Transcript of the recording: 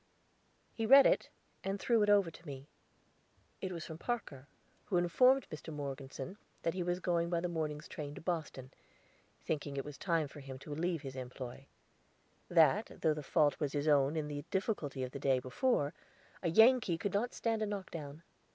He read it, and threw it over to me. It was from Parker, who informed Mr. Morgeson that he was going by the morning's train to Boston, thinking it was time for him to leave his employ; that, though the fault was his own in the difficulty of the day before, a Yankee could not stand a knock down.